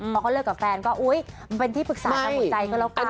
พอเขาเลิกกับแฟนก็อุ๊ยมันเป็นที่ปรึกษาทางหัวใจก็แล้วกัน